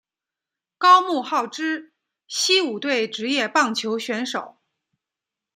高木浩之西武队职业棒球选手。